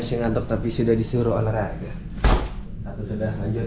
satu sudah lanjut